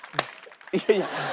いやいや。